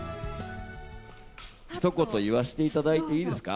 ひと言言わせていただいていいですか？